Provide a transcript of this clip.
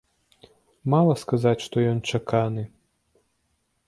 Мала сказаць, што ён чаканы.